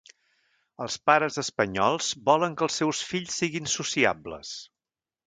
Els pares espanyols volen que els seus fills siguin sociables.